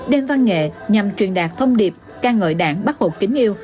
đem văn nghệ nhằm truyền đạt thông điệp ca ngợi đảng bắt hộp kính yêu